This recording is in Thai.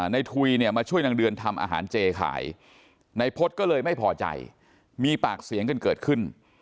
ทุยเนี่ยมาช่วยนางเดือนทำอาหารเจขายในพฤษก็เลยไม่พอใจมีปากเสียงกันเกิดขึ้น